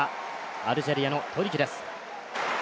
アルジェリアのトリキです。